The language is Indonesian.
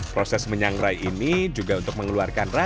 proses menyangrai ini juga untuk mengeluarkan rasa